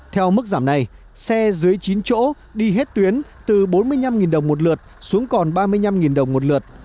theo mức giảm này xe dưới chín chỗ đi hết tuyến từ bốn mươi năm đồng một lượt xuống còn ba mươi năm đồng một lượt